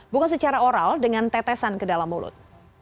bukan secara oral dengan tetesan ke dalam mulut